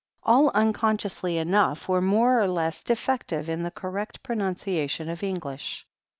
All, unconsciously enough, were more or less defective in the correct pronimciation of English.